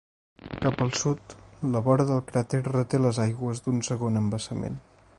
Cap al sud, la vora del cràter reté les aigües d'un segon embassament.